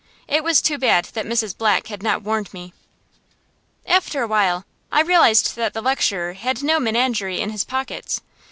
It was too bad that Mrs. Black had not warned me. After a while I realized that the lecturer had no menagerie in his pockets.